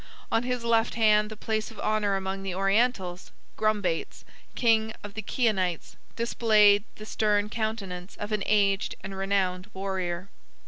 On his left hand, the place of honor among the Orientals, Grumbates, king of the Chionites, displayed the stern countenance of an aged and renowned warrior.